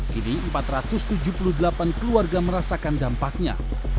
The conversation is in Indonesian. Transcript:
kini empat ratus tujuh puluh delapan keluarga merasakan dampaknya